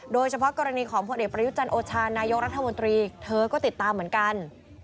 โดยเฉพาะกรณีของผลเอกประยุจันทร์โอชานายกรัฐมนตรีเธอก็ติดตามเหมือนกัน